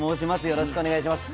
よろしくお願いします。